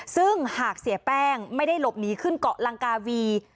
ซึ่งหากเสียแป้งไม่ได้หลบหนีขึ้นเกาะลังกาวี